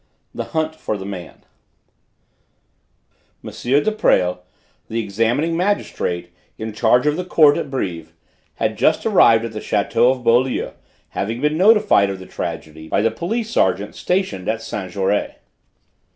III. THE HUNT FOR THE MAN M. de Presles, the examining magistrate in charge of the Court at Brives, had just arrived at the château of Beaulieu, having been notified of the tragedy by the police sergeant stationed at Saint Jaury.